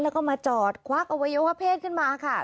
แล้วก็มาจอดควักอวัยวะเพศขึ้นมาค่ะ